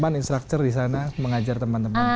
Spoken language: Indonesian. teman teman instruktur di sana mengajar teman teman